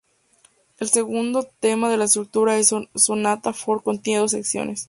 El segundo tema de la estructura en sonata form contiene dos secciones.